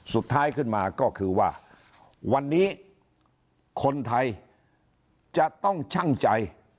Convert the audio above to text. สุดท้ายขึ้นมาก็คือว่าวันนี้คนไทยจะต้องชั่งใจ